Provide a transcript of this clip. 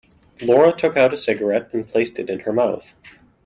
Laura took out a cigarette and placed it in her mouth.